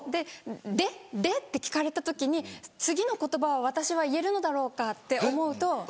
「で？で？」って聞かれた時に次の言葉を私は言えるのだろうかって思うと。